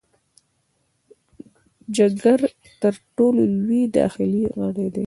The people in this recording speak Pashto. جګر تر ټولو لوی داخلي غړی دی.